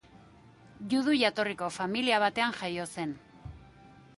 Judu jatorriko familia batean jaio zen.